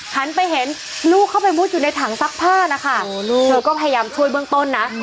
หันไปเห็นลูกเข้าไปมุดอยู่ในถังซักผ้านะคะเธอก็พยายามช่วยเบื้องต้นนะ